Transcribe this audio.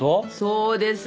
そうですよ。